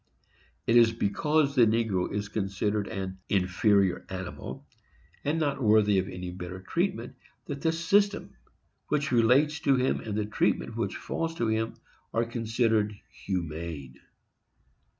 It is because the negro is considered an inferior animal, and not worthy of any better treatment, that the system which relates to him and the treatment which falls to him are considered humane.